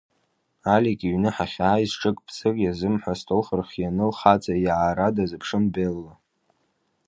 Алик иҩны ҳахьааиз, ҿык-бзык иазымҳәо астол рхианы, лхаҵа иаара дазыԥшын Белла.